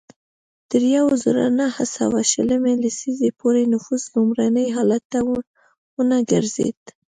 تر یوه زرو نهه سوه شلمې لسیزې پورې نفوس لومړني حالت ته ونه ګرځېد.